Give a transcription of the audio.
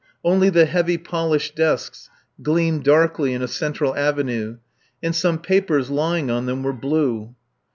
Only the heavy polished desks gleamed darkly in a central avenue, and some papers lying on them were blue.